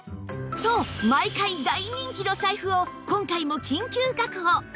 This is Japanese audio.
と毎回大人気の財布を今回も緊急確保！